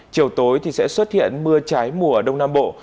chiều tối thì sẽ xuất hiện mưa trái mùa ở đông nam bộ